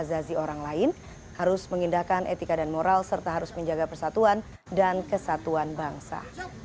azazi orang lain harus mengindahkan etika dan moral serta harus menjaga persatuan dan kesatuan bangsa